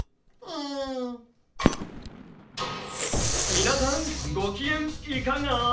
「みなさんごきげんイカが？